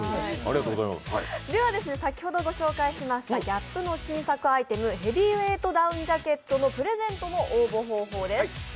先ほどご紹介したＧＡＰの新作アイテム、ヘビーウエイトダウンジャケットのプレゼントの応募方法です。